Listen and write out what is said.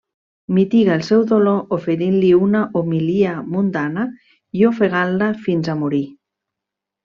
Mitiga el seu dolor oferint-li una homilia mundana, i ofegant-la fins a morir.